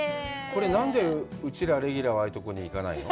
これ、何でうちらレギュラーはああいうとこに行かないの？